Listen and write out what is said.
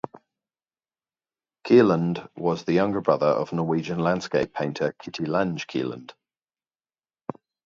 Kielland was the younger brother of Norwegian landscape painter Kitty Lange Kielland.